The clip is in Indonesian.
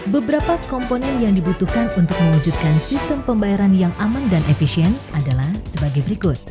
beberapa komponen yang dibutuhkan untuk mewujudkan sistem pembayaran yang aman dan efisien adalah sebagai berikut